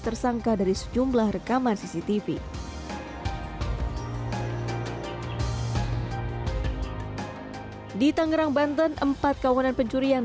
tersangka dari sejumlah rekaman cctv di tangerang banten empat kawanan pencurian